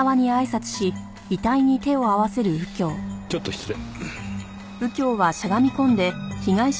ちょっと失礼。